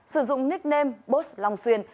sử dụng nickname boss long xuyên